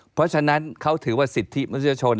เพราะฉะนั้นเขาถือว่าสิทธิมนุษยชน